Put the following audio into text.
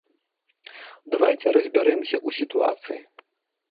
Давайце разбярэмся ў сітуацыі.